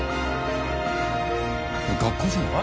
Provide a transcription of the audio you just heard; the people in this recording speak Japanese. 学校じゃない？